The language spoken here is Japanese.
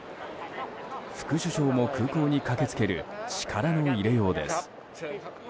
副首相も空港に駆け付ける力の入れようです。